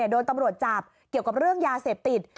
โดนตำรวจจับเกี่ยวกับเรื่องยาเสพติด